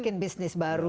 bikin bisnis baru